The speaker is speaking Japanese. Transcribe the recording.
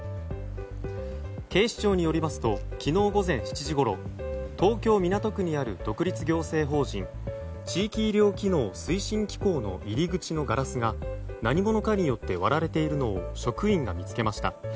警視庁によりますと昨日午前７時ごろ東京・港区にある独立行政法人地域医療機能推進機構の入り口のガラスが何者かによって割られているのを職員が見つけました。